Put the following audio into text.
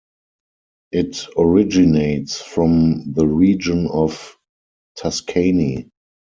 It originates from the region of Tuscany.